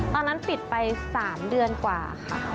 ตอนนั้นปิดไป๓เดือนกว่าค่ะ